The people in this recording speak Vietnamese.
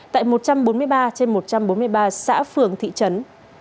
tại một trăm bốn mươi ba trên một trăm bốn mươi ba xã phường thị trấn